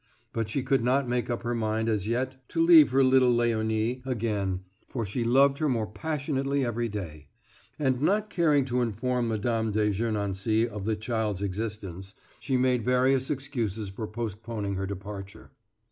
But she could not make up her mind as yet to leave her little Léonie again, for she loved her more passionately every day, and, not caring to inform Mme. de Gernancé of the child's existence, she made various excuses for postponing her departure.